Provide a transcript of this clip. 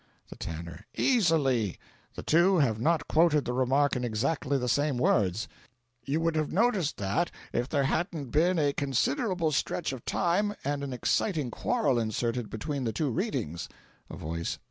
The Tanner. "Easily. The two have not quoted the remark in exactly the same words. You would have noticed that, if there hadn't been a considerable stretch of time and an exciting quarrel inserted between the two readings." A Voice.